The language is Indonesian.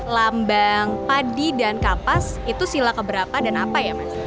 lambang padi dan kapas itu sila keberapa dan apa ya mas